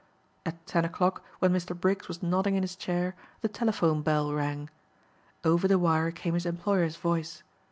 At ten o'clock when Mr. Briggs was nodding in his chair the telephone bell rang. Over the wire came his employer's voice.